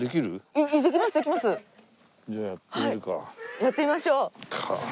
やってみましょう。